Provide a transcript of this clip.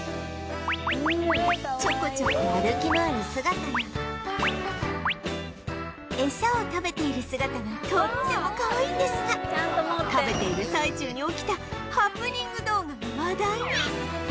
ちょこちょこ歩き回る姿や餌を食べている姿がとってもかわいいんですが食べている最中に起きたハプニング動画が話題に